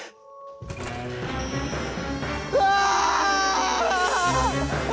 うわ！